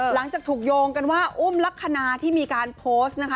หลังจากถูกโยงกันว่าอุ้มลักษณะที่มีการโพสต์นะคะ